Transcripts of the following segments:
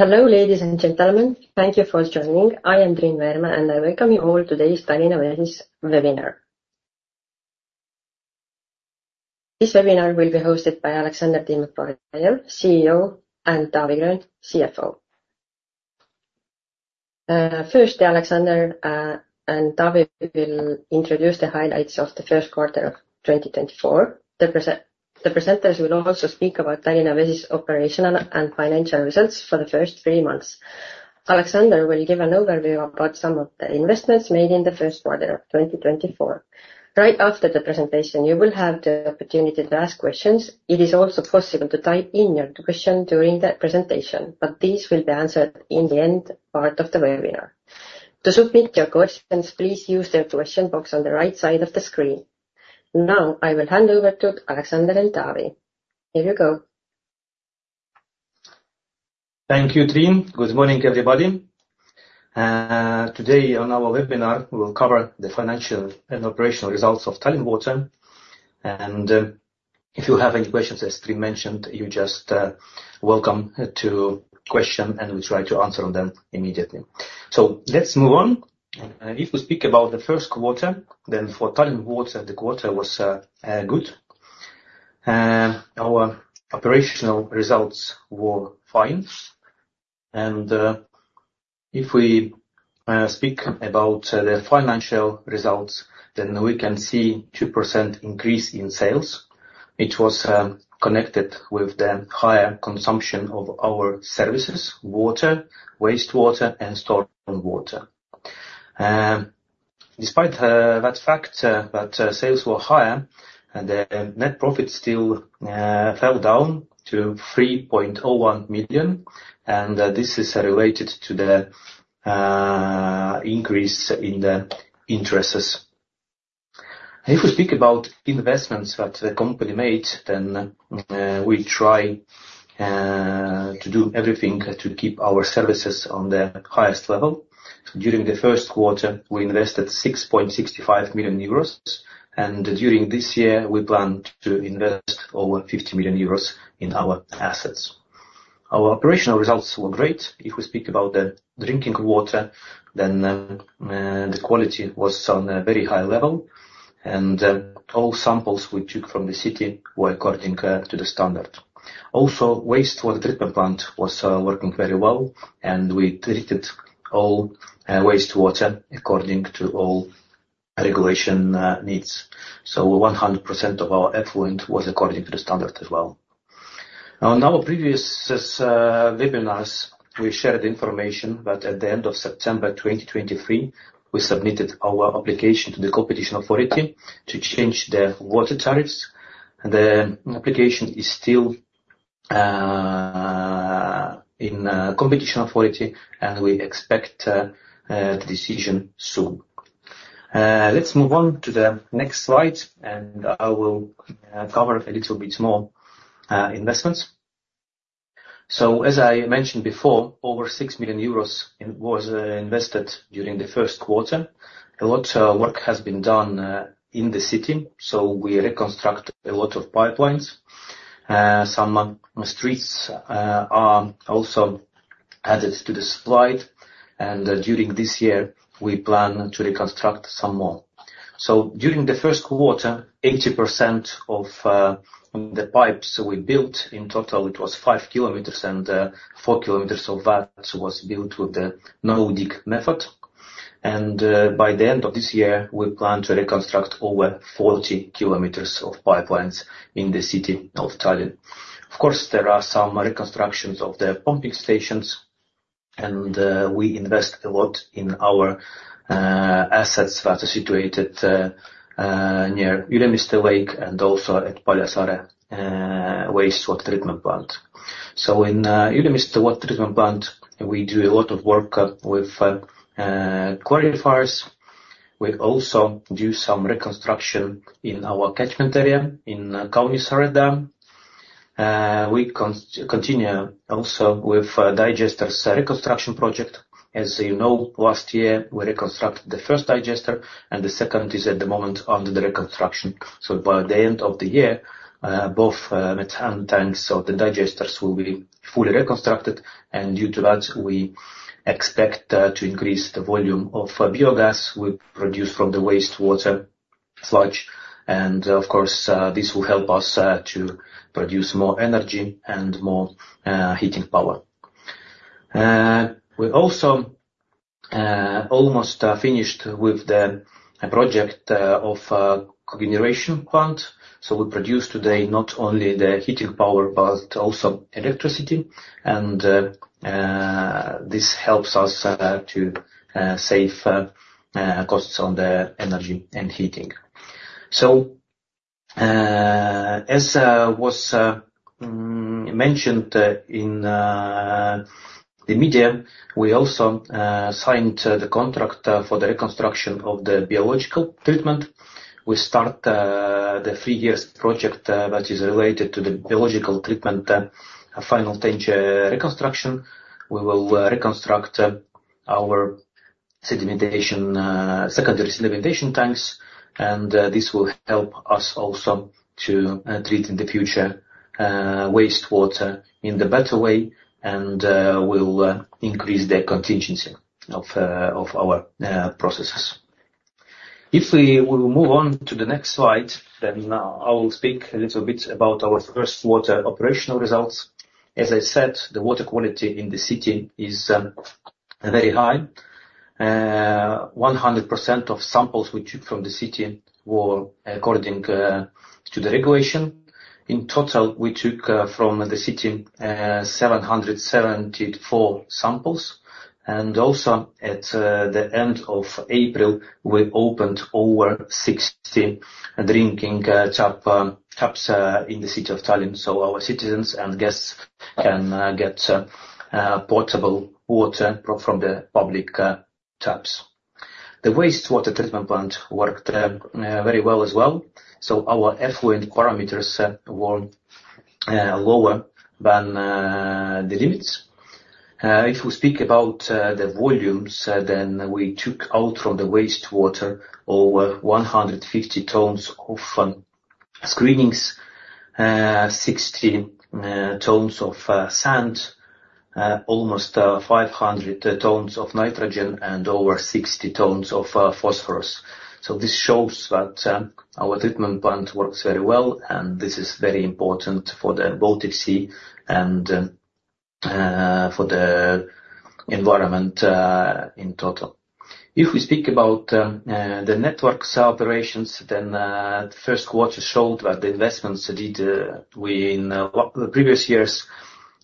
Hello, ladies and gentlemen. Thank you for joining. I am Triin Värmä, and I welcome you all to today's Tallinna Vesi's webinar. This webinar will be hosted by Aleksandr Timofejev, CEO, and Taavi Gröön, CFO. First, Aleksandr and Taavi will introduce the highlights of the first quarter of 2024. The presenters will also speak about Tallinna Vesi's operational and financial results for the first three months. Aleksandr will give an overview about some of the investments made in the first quarter of 2024. Right after the presentation, you will have the opportunity to ask questions. It is also possible to type in your question during the presentation, but these will be answered in the end part of the webinar. To submit your questions, please use the question box on the right side of the screen. Now I will hand over to Aleksandr and Taavi. Here you go. Thank you, Triin. Good morning, everybody. Today on our webinar, we will cover the financial and operational results of Tallinna Vesi. If you have any questions, as Triin mentioned, you're just welcome to question, and we'll try to answer them immediately. Let's move on. If we speak about the first quarter, then for Tallinna Vesi, the quarter was good. Our operational results were fine. If we speak about the financial results, then we can see a 2% increase in sales, which was connected with the higher consumption of our services: water, wastewater, and stormwater. Despite the fact that sales were higher, the net profit still fell down to 3.01 million. This is related to the increase in the interests. If we speak about investments that the company made, then we try to do everything to keep our services on the highest level. During the first quarter, we invested 6.65 million euros. During this year, we plan to invest over 50 million euros in our assets. Our operational results were great. If we speak about the drinking water, then the quality was on a very high level. And all samples we took from the city were according to the standard. Also, wastewater treatment plant was working very well, and we treated all wastewater according to all regulation needs. So 100% of our effluent was according to the standard as well. On our previous webinars, we shared information that at the end of September 2023, we submitted our application to the Competition Authority to change the water tariffs. The application is still in Competition Authority, and we expect the decision soon. Let's move on to the next slide, and I will cover a little bit more investments. As I mentioned before, over 6 million euros was invested during the first quarter. A lot of work has been done in the city, so we reconstructed a lot of pipelines. Some streets are also added to the supply. During this year, we plan to reconstruct some more. During the first quarter, 80% of the pipes we built in total, it was 5 km, and 4 km of that was built with the No-Dig method. By the end of this year, we plan to reconstruct over 40 km of pipelines in the City of Tallinn. Of course, there are some reconstructions of the pumping stations, and we invest a lot in our assets that are situated near Ülemiste Lake and also at Paljassaare Wastewater Treatment Plant. In Ülemiste Water Treatment Plant, we do a lot of work with clarifiers. We also do some reconstruction in our catchment area in Kaunissaare. We continue also with the digesters reconstruction project. As you know, last year, we reconstructed the first digester, and the second is at the moment under the reconstruction. So by the end of the year, both methane tanks of the digesters will be fully reconstructed. And due to that, we expect to increase the volume of biogas we produce from the wastewater sludge. And of course, this will help us to produce more energy and more heating power. We also almost finished with the project of cogeneration plant. So we produce today not only the heating power but also electricity. And this helps us to save costs on the energy and heating. So as was mentioned in the media, we also signed the contract for the reconstruction of the biological treatment. We start the three-year project that is related to the biological treatment final tank reconstruction. We will reconstruct our secondary sedimentation tanks. This will help us also to treat in the future wastewater in the better way and will increase the contingency of our processes. If we will move on to the next slide, then I will speak a little bit about our first quarter operational results. As I said, the water quality in the city is very high. 100% of samples we took from the city were according to the regulation. In total, we took from the city 774 samples. Also at the end of April, we opened over 60 drinking taps in the City of Tallinn so our citizens and guests can get potable water from the public taps. The wastewater treatment plant worked very well as well. So our effluent parameters were lower than the limits. If we speak about the volumes, then we took out from the wastewater over 150 tons of screenings, 60 tons of sand, almost 500 tons of nitrogen, and over 60 tons of phosphorus. So this shows that our treatment plant works very well, and this is very important for the Baltic Sea and for the environment in total. If we speak about the network operations, then the first quarter showed that the investments we did in the previous years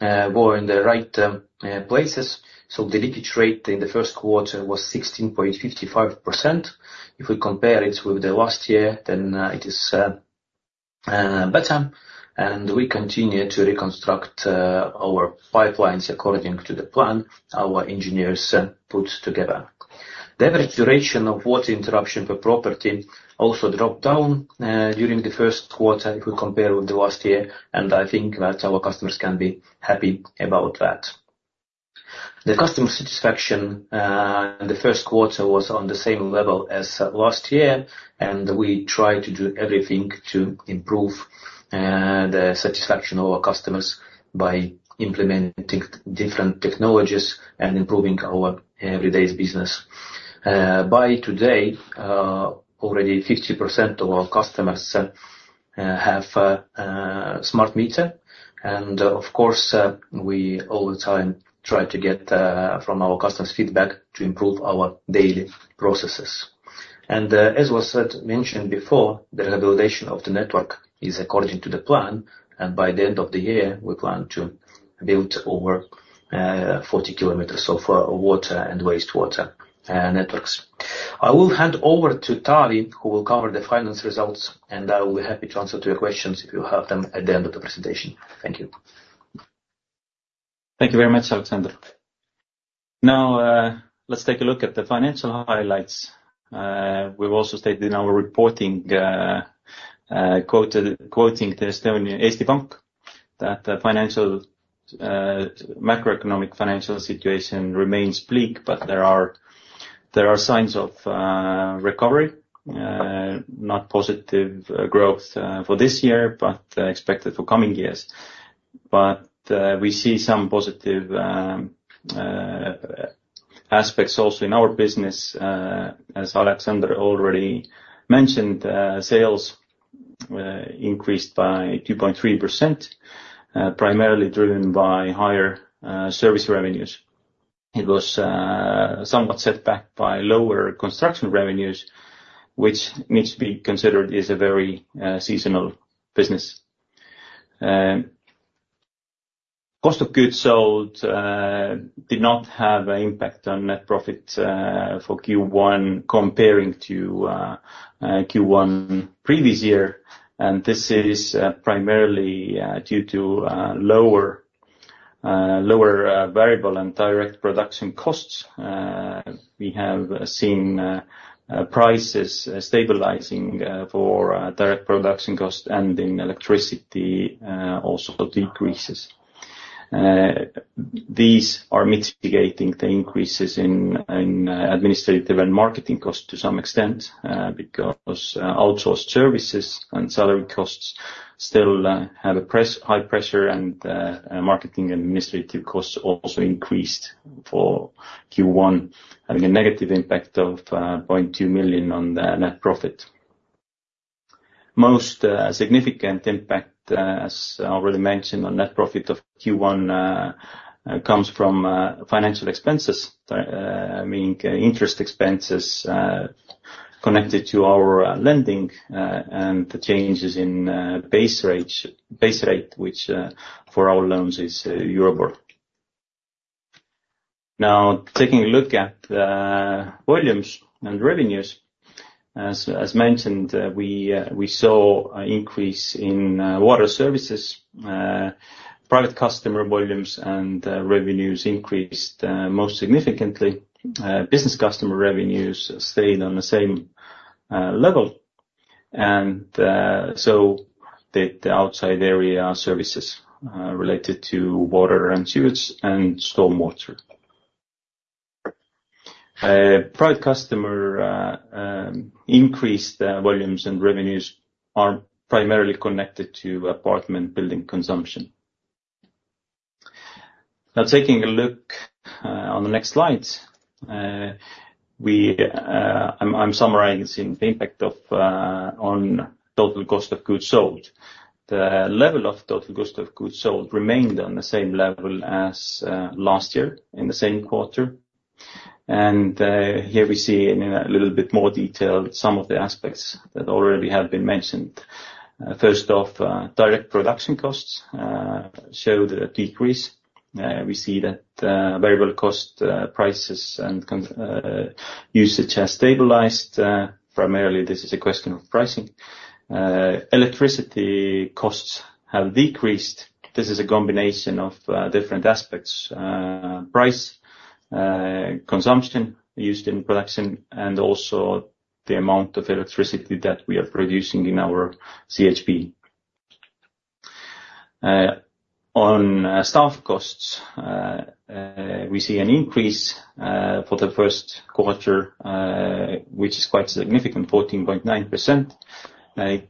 were in the right places. So the leakage rate in the first quarter was 16.55%. If we compare it with the last year, then it is better. And we continue to reconstruct our pipelines according to the plan our engineers put together. The average duration of water interruption per property also dropped down during the first quarter if we compare with the last year. I think that our customers can be happy about that. The customer satisfaction in the first quarter was on the same level as last year. We try to do everything to improve the satisfaction of our customers by implementing different technologies and improving our everyday business. By today, already 50% of our customers have a smart meter. Of course, we all the time try to get from our customers feedback to improve our daily processes. As was mentioned before, the rehabilitation of the network is according to the plan. By the end of the year, we plan to build over 40 kilometers of water and wastewater networks. I will hand over to Taavi, who will cover the final results. I will be happy to answer to your questions if you have them at the end of the presentation. Thank you. Thank you very much, Aleksandr. Now let's take a look at the financial highlights. We've also stated in our reporting quoting the Eesti Pank that the macroeconomic financial situation remains bleak, but there are signs of recovery. Not positive growth for this year, but expected for coming years. But we see some positive aspects also in our business. As Aleksandr already mentioned, sales increased by 2.3%, primarily driven by higher service revenues. It was somewhat set back by lower construction revenues, which needs to be considered as a very seasonal business. Cost of goods sold did not have an impact on net profit for Q1 comparing to Q1 previous year. This is primarily due to lower variable and direct production costs. We have seen prices stabilizing for direct production costs and in electricity also decreases. These are mitigating the increases in administrative and marketing costs to some extent because outsourced services and salary costs still have high pressure, and marketing and administrative costs also increased for Q1, having a negative impact of 0.2 million on the net profit. Most significant impact, as already mentioned, on net profit of Q1 comes from financial expenses, meaning interest expenses connected to our lending and the changes in base rate, which for our loans is Euribor. Now taking a look at volumes and revenues, as mentioned, we saw an increase in water services. Private customer volumes and revenues increased most significantly. Business customer revenues stayed on the same level. And so did the outside area services related to water and sewage and stormwater. Private customer increased volumes and revenues are primarily connected to apartment building consumption. Now taking a look on the next slides, I'm summarizing the impact on total cost of goods sold. The level of total cost of goods sold remained on the same level as last year in the same quarter. Here we see in a little bit more detail some of the aspects that already have been mentioned. First off, direct production costs showed a decrease. We see that variable cost prices and usage have stabilized. Primarily, this is a question of pricing. Electricity costs have decreased. This is a combination of different aspects: price, consumption used in production, and also the amount of electricity that we are producing in our CHP. On staff costs, we see an increase for the first quarter, which is quite significant, 14.9%.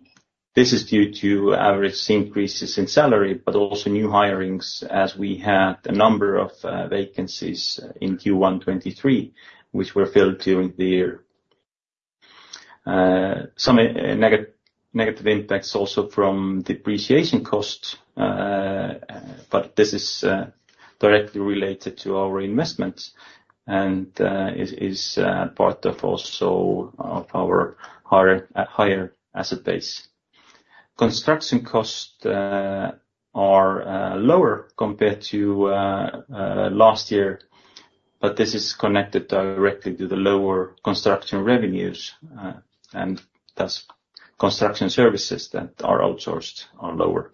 This is due to average increases in salary but also new hirings as we had a number of vacancies in Q1 2023, which were filled during the year. Some negative impacts also from depreciation costs, but this is directly related to our investments and is part of also of our higher asset base. Construction costs are lower compared to last year, but this is connected directly to the lower construction revenues. Thus, construction services that are outsourced are lower.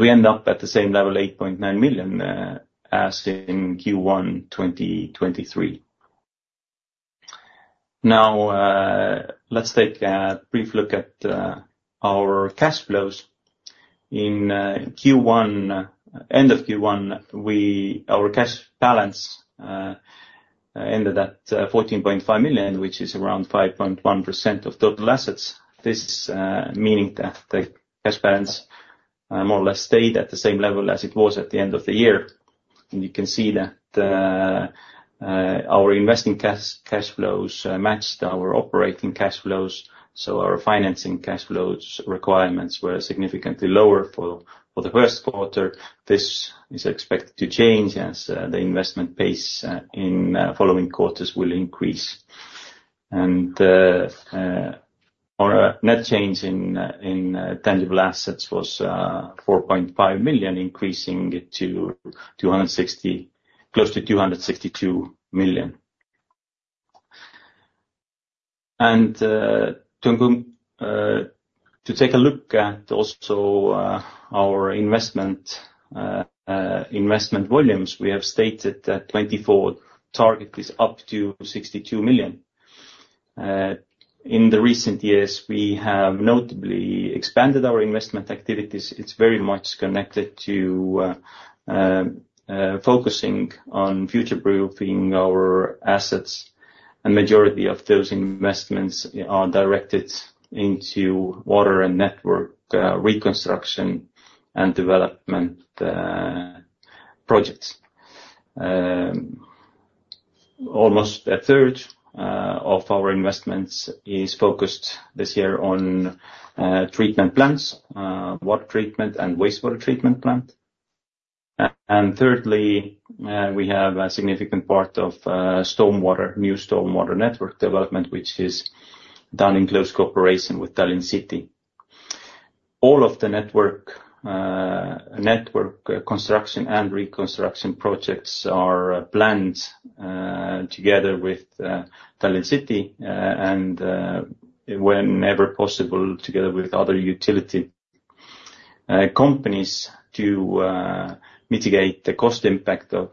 We end up at the same level, 8.9 million, as in Q1 2023. Now let's take a brief look at our cash flows. In end of Q1, our cash balance ended at 14.5 million, which is around 5.1% of total assets. This is meaning that the cash balance more or less stayed at the same level as it was at the end of the year. You can see that our investing cash flows matched our operating cash flows. Our financing cash flows requirements were significantly lower for the first quarter. This is expected to change as the investment pace in following quarters will increase. Our net change in tangible assets was 4.5 million, increasing it to close to 262 million. To take a look at also our investment volumes, we have stated that 2024 target is up to 62 million. In the recent years, we have notably expanded our investment activities. It's very much connected to focusing on future-proofing our assets. A majority of those investments are directed into water and network reconstruction and development projects. Almost a third of our investments is focused this year on treatment plants, water treatment, and wastewater treatment plant. Thirdly, we have a significant part of new stormwater network development, which is done in close cooperation with City of Tallinn. All of the network construction and reconstruction projects are planned together with City of Tallinn and whenever possible together with other utility companies to mitigate the cost impact on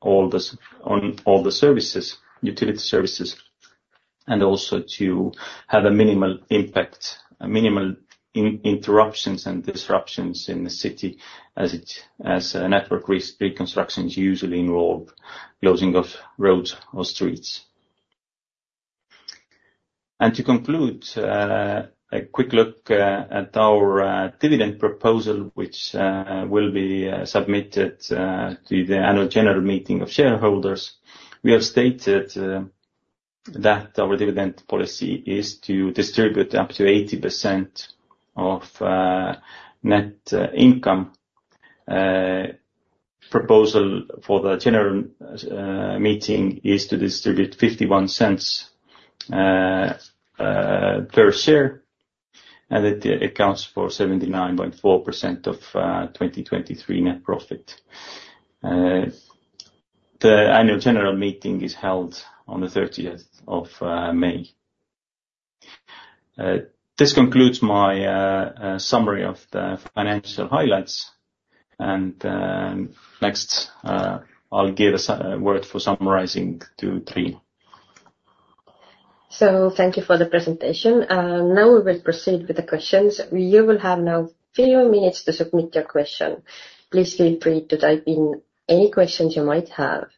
all the services, utility services, and also to have a minimal interruptions and disruptions in the city as network reconstruction is usually involved, closing of roads or streets. To conclude, a quick look at our dividend proposal, which will be submitted to the annual general meeting of shareholders. We have stated that our dividend policy is to distribute up to 80% of net income. Proposal for the general meeting is to distribute 0.0051 per share, and it accounts for 79.4% of 2023 net profit. The annual general meeting is held on the 30th of May. This concludes my summary of the financial highlights. Next, I'll give a word for summarizing to Kristiina. Thank you for the presentation. Now we will proceed with the questions. You will have now a few minutes to submit your question. Please feel free to type in any questions you might have.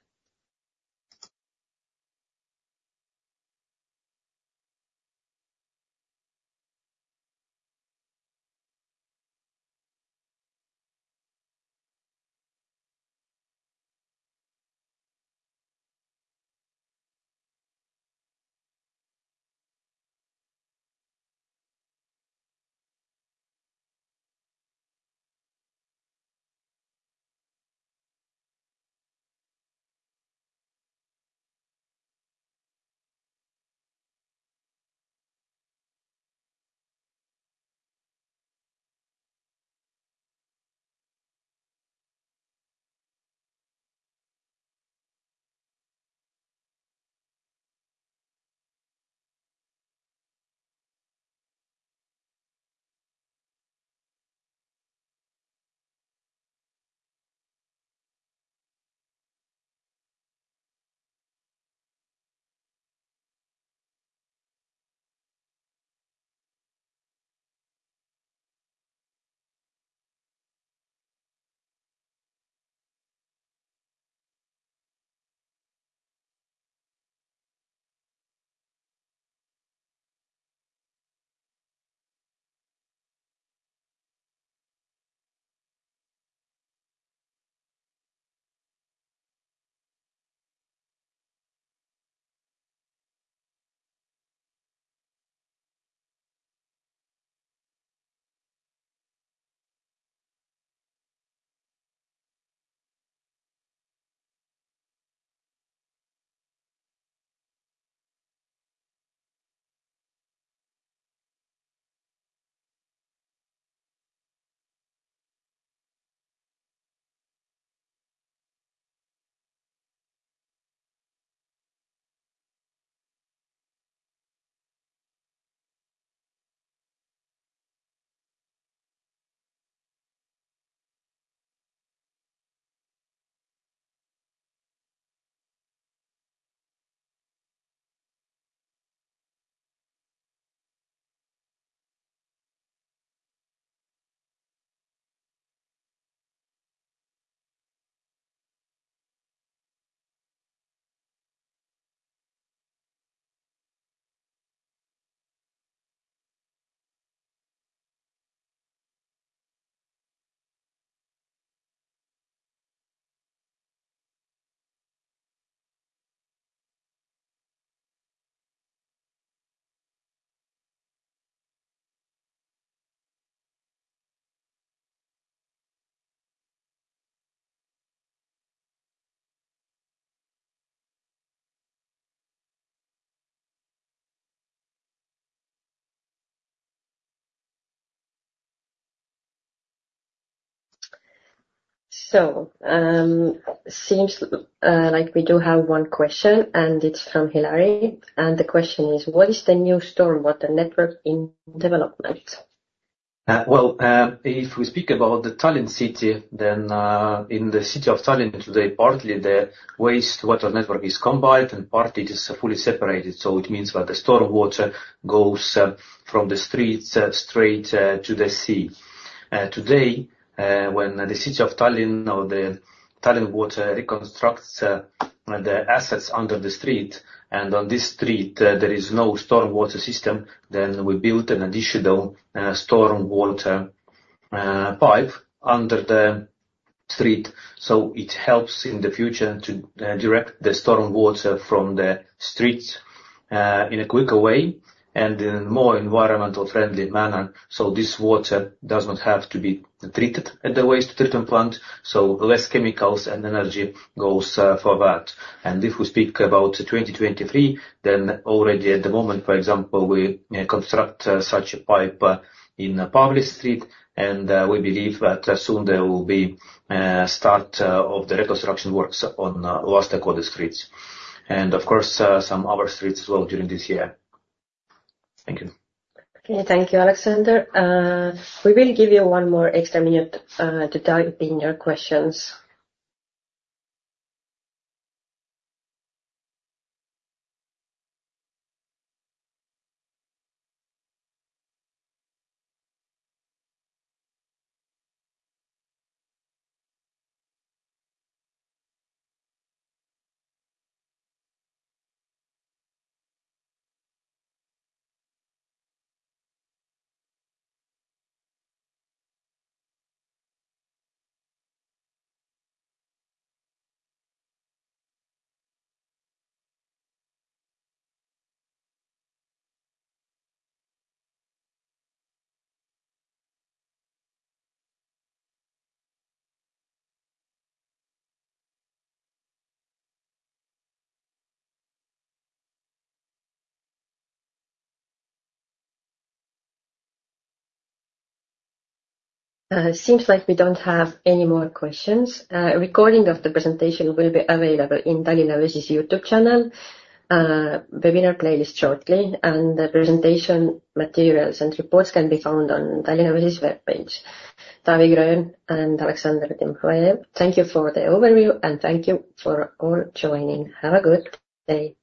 It seems like we do have one question, and it's from Hilari. The question is, what is the new stormwater network in development? Well, if we speak about the City of Tallinn, then in the City of Tallinn today, partly the wastewater network is combined and partly it is fully separated. So it means that the stormwater goes from the streets straight to the sea. Today, when the City of Tallinn or the Tallinn Water reconstructs the assets under the street, and on this street, there is no stormwater system, then we built an additional stormwater pipe under the street. So it helps in the future to direct the stormwater from the streets in a quicker way and in a more environmentally friendly manner. So this water does not have to be treated at the waste treatment plant. So less chemicals and energy goes for that. And if we speak about 2023, then already at the moment, for example, we construct such a pipe in Paavli Street. We believe that soon there will be start of the reconstruction works on Lastekodu Street and, of course, some other streets as well during this year. Thank you. Okay. Thank you, Aleksandr. We will give you one more extra minute to type in your questions. Seems like we don't have any more questions. Recording of the presentation will be available in Tallinna Vesi's YouTube channel, webinar playlist shortly. The presentation materials and reports can be found on Tallinna Vesi's webpage. Taavi Gröön and Aleksandr Timofejev, thank you for the overview, and thank you for all joining. Have a good day.